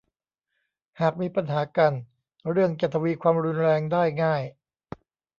หากมีปัญหากันเรื่องจะทวีความรุนแรงได้ง่าย